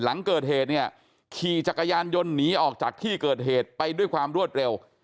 หลังเกิดเหตุเนี่ยขี่จักรยานยนต์หนีออกจากที่เกิดเหตุไปด้วยความรวดเร็ว